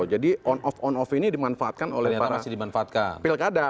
jadi on off on off ini dimanfaatkan oleh para pilkada